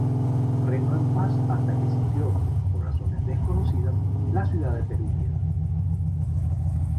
Reinó en paz hasta que sitió, por razones desconocidas, la ciudad de Perugia.